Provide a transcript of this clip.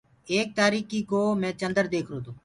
ايڪ تآريڪي ڪوُ مي چندر ديکرو تو۔